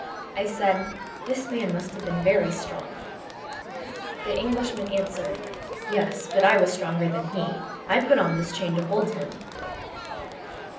"I said: "'This man must have been very strong.' "The Englishman answered quietly: "'Yes, but I was stronger than he. I put on this chain to hold him.'